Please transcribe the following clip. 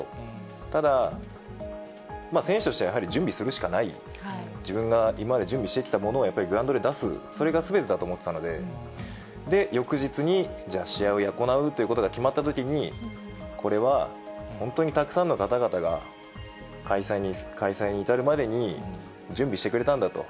ただ、選手としてはやはり準備するしかない、自分が今まで準備してきたものを、やっぱりグラウンドで出す、それがすべてだと思ってたので、翌日に、じゃあ、試合を行うということが決まったときに、これは本当にたくさんの方々が、開催に至るまでに準備してくれたんだと。